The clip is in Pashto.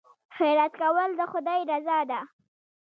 خیرات کول د خدای رضا ده.